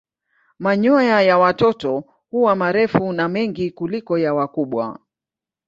Manyoya ya watoto huwa marefu na mengi kuliko ya wakubwa.